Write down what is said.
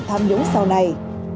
tham nhũng sau này